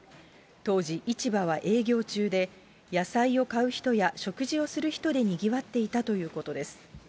当時、市場は営業中で、野菜を買う人や、食事をする人でにぎわっていたということです。